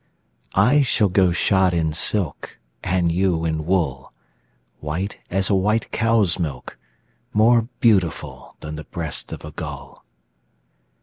I shall go shod in silk, And you in wool, White as a white cow's milk, More beautiful Than the breast of a gull.